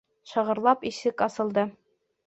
Шығырлап ишек асылды.